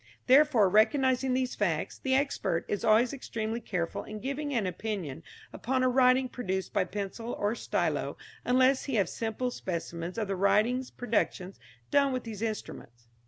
Therefore, recognising these facts, the expert is always extremely careful in giving an opinion upon a writing produced by pencil or stylo unless he have ample specimens of the writer's productions done with these instruments.